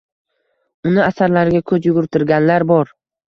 Uni asarlariga ko’z yugurtirganlar bor.